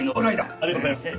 ありがとうございます！